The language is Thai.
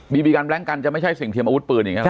บีบีกันแบล็งกันจะไม่ใช่สิ่งเทียมอาวุธปืนอย่างนี้หรอ